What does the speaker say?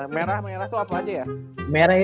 merah merah itu apa aja ya